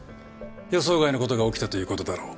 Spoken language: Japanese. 予想外の事が起きたという事だろう。